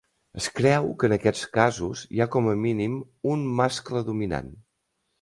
Es creu que en aquests casos, hi ha com a mínim un mascle dominant.